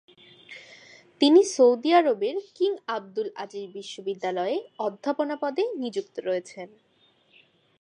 তিনি সৌদি আরবের King Abdul Aziz বিশ্ববিদ্যালয়ে অধ্যাপনা পদে নিযুক্ত করয়েছেন।